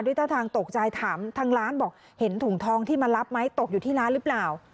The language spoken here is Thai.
ท่าทางตกใจถามทางร้านบอกเห็นถุงทองที่มารับไหมตกอยู่ที่ร้านหรือเปล่า